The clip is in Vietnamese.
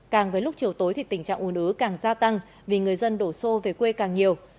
càng với lúc chiều tối thì tình trạng un ứ càng gia tăng vì người dân đổ xô về quê càng nhiều